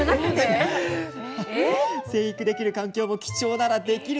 生育できる環境も貴重ならできる